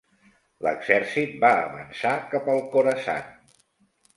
L'exèrcit va avançar cap al Khorasan.